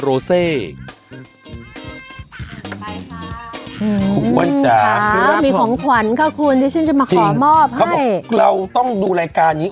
อืมค่ะมีของขวัญค่ะคุณที่ฉันจะมาขอมอบให้ครับผมเราต้องดูรายการนี้